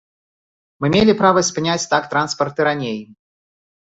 Мы мелі права спыняць так транспарт і раней.